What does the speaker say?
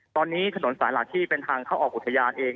ตอนนี้ถนนสายหลักที่เป็นทางเข้าออกอุทยานเอง